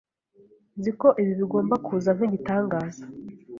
Nzi ko ibi bigomba kuza nkigitangaza.